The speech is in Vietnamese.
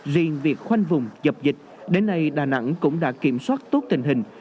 riêng việc khoanh vùng dập dịch đến nay đà nẵng cũng đã kiểm soát tốt tình hình